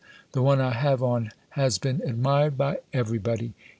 The one I have on has been admired by everybody.